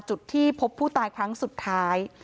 จุดที่พบผู้ตายครั้งสุดท้าย